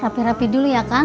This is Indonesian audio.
rapi rapi dulu ya kan